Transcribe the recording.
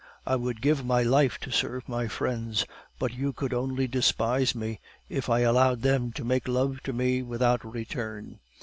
I would give my life to serve my friends; but you could only despise me, if I allowed them to make love to me without return.